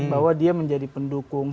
bahwa dia menjadi pendukung